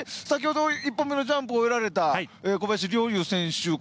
先ほど１本目のジャンプを終えられた小林陵侑選手。